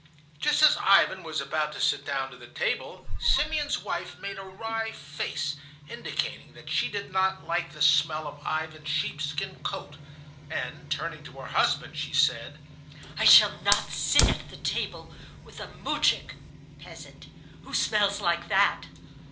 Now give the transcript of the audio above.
Just as Ivan was about to sit down to the table Simeon's wife made a wry face, indicating that she did not like the smell of Ivan's sheep skin coat; and turning to her husband she said, "I shall not sit at the table with a moujik [peasant] who smells like that."